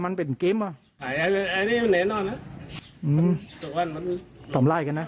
มันเป็นกิ๊มนี่เนี้ยนั่วนะอืมสักวันมันตำไล่กันนะ